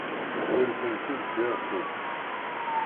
Ttwalin-ten-id s yir tiṭ.